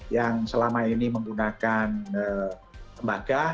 yang selama ini menggunakan lembaga